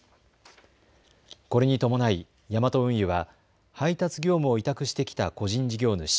これに伴い、ヤマト運輸は配達業務を委託してきた個人事業主